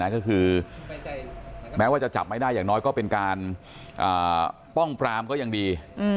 ก็คือแม้ว่าจะจับไม่ได้อย่างน้อยก็เป็นการป้องปรามก็ยังดี